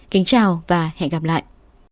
kính chào và hẹn gặp lại